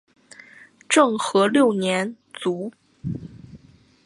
政和六年卒。